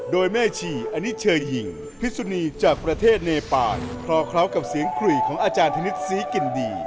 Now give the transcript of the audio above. โดยแม่ชีอนิเชยหิ่งพิสุนีจากประเทศเนปานพอเคล้ากับเสียงกรีของอาจารย์ธนึกศรีกินดี